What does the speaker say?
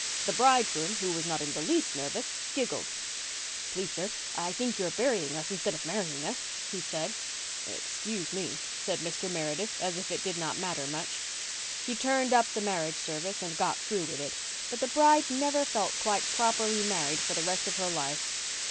The bridegroom, who was not in the least nervous, giggled. "Please, sir, I think you're burying us instead of marrying us," he said. "Excuse me," said Mr. Meredith, as it it did not matter much. He turned up the marriage service and got through with it, but the bride never felt quite properly married for the rest of her life.